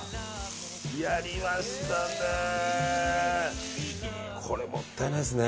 やりましたね。